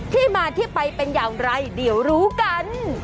ที่มาที่ไปเป็นอย่างไรเดี๋ยวรู้กัน